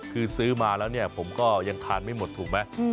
คือซื้อมาแล้วเนี่ยผมก็ยังทานไม่หมดถูกไหม